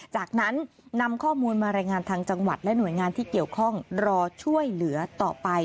จากนั้นนำข้อมูลมารายงานทางจังหวัดและหน่วยงานที่เกี่ยวข้องรอช่วยเหลือต่อไป